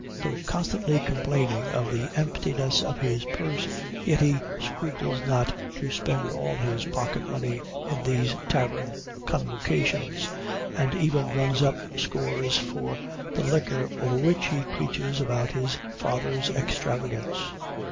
Though constantly complaining of the emptiness of his purse, yet he scruples not to spend all his pocket money in these tavern convocations, and even runs up scores for the liquor over which he preaches about his father's extravagance.